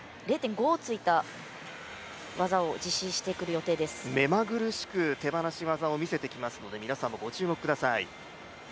得点はＤスコアが４．８めまぐるしく手放し技を見せてきますので、皆さんもご注目ください。